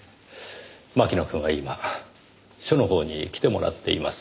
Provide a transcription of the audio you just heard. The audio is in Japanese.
牧野くんは今署のほうに来てもらっています。